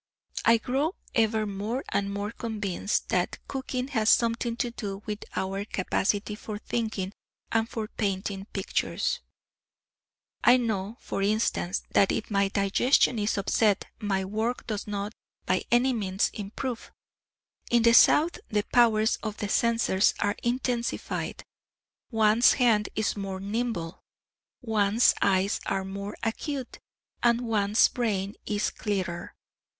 I grow ever more and more convinced that cooking has something to do with our capacity for thinking and for painting pictures. I know, for instance, that if my digestion is upset, my work does not by any means improve. In the south the powers of the senses are intensified; one's hand is more nimble, one's eyes are more acute, and one's brain is clearer.